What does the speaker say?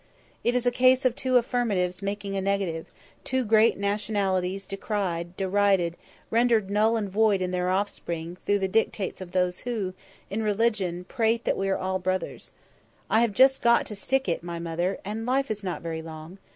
It is a case of two affirmatives making a negative; two great nationalities decried, derided, rendered null and void in their offspring through the dictates of those who, in religion, prate that we are all brothers. I have just got to stick it, my mother, and life is not very long.